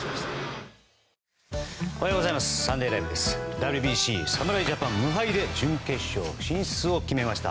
ＷＢＣ侍ジャパン、無敗で準決勝進出を決めました。